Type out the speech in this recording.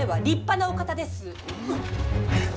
立派なお方です。